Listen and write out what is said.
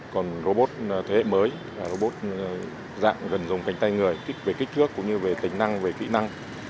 còn robot thế hệ mới robot dạng gần dùng cánh tay người kích về kích thước cũng như về tính năng về kỹ năng